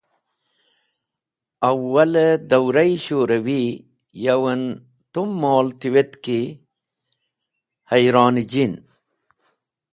Awal-e dawra-e Shurawi yowen tum mol tiwetk ki hayronjin.